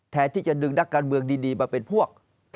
แทนที่จะดึงนักการเมืองดีมาเป็นพวก